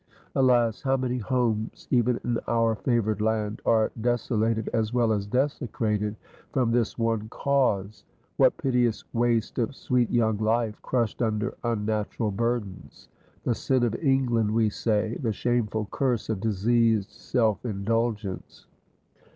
Alas, how many homes even in our favoured land are desolated as well as desecrated from this one cause. What piteous waste of sweet young life, crushed under unnatural burdens. The sin of England, we say the shameful curse of diseased self indulgence.